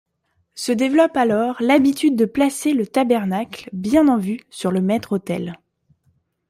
Se développe alors l’habitude de placer le tabernacle, bien en vue, sur le maître-autel.